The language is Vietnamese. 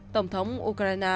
tổng thống ukraine